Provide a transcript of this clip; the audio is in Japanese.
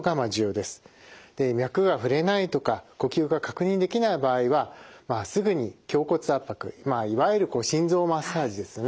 で脈が触れないとか呼吸が確認できない場合はすぐに胸骨圧迫まあいわゆる心臓マッサージですよね